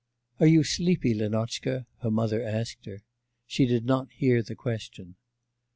'Are you sleepy, Lenotchka?' her mother asked her. She did not hear the question.